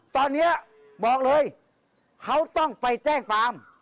ตอนนี้บอกเลยเขาต้องไปแจ้งความ